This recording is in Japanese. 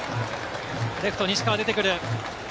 レフトの西川が出てくる。